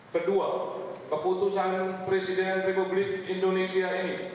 kedua keputusan presiden republik indonesia ini